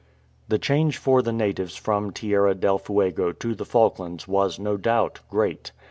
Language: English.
The change for the natives from Tierra del Fuego to the Falklands was, no doubt, great.